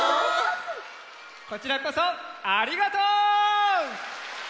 こちらこそありがとう！